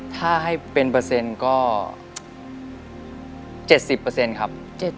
ถ้าให้เป็นเปอร์เซ็นต์ก็๗๐ครับ